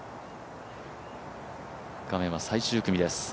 画面は最終組です。